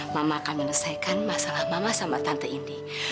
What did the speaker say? mama akan menesaikan masalah mama sama tante indy